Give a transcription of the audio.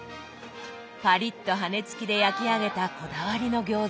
パリッと羽根つきで焼き上げたこだわりの餃子。